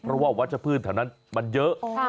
เพราะว่าวัชพืชแถวนั้นมันเยอะ